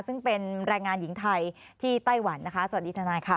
ซึ่งเป็นแรงงานหญิงไทยที่ไต้หวันนะคะสวัสดีทนายค่ะ